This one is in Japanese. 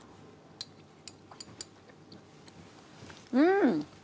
うん！